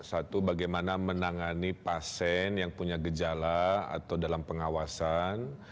satu bagaimana menangani pasien yang punya gejala atau dalam pengawasan